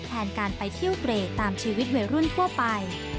แทนการไปเที่ยวเกรกตามชีวิตวัยรุ่นทั่วไป